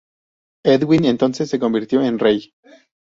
Edwin entonces se convirtió en rey.